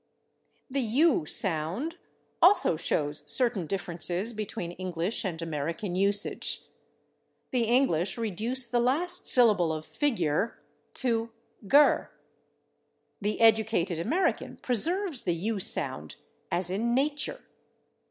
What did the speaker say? The /u/ sound also shows certain differences between English and American usage. The English reduce the last syllable of /figure/ to /ger/; the educated American preserves the /u/ sound as in /nature